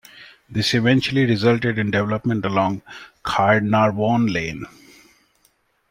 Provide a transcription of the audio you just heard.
This eventually resulted in development along Caernarvon Lane.